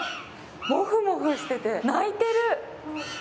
モフモフしてて鳴いてる！